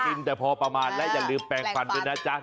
กินแต่พอประมาณและอย่าลืมแปลงฟันด้วยนะจ๊ะ